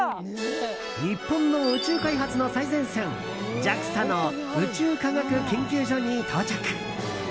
日本の宇宙開発の最前線ＪＡＸＡの宇宙科学研究所に到着。